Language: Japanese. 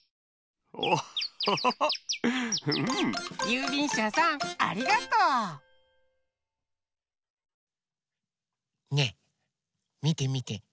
ゆうびんしゃさんありがとう！ねえみてみて。